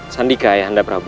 sandika ayah handel prabu